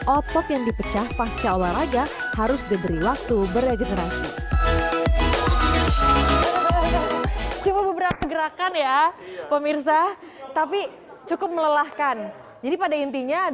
otot yang dipecah pasca olahraga harus diberi waktu beregenerasi